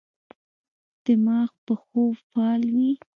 دماغ په خوب فعال وي.